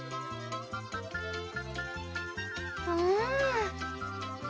うん。